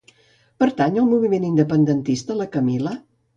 Pertany al moviment independentista la Camila?